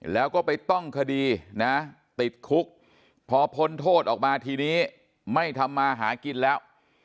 แล้วก็ไปต้องคดีนะติดคุกพอพ้นโทษออกมาทีนี้ไม่ทำมาหากินแล้ว